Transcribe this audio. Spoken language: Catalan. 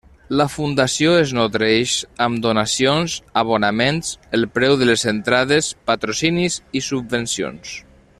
La fundació es nodreix amb donacions, abonaments, el preu de les entrades, patrocinis i subvencions.